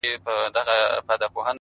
o څوك مي دي په زړه باندي لاس نه وهي؛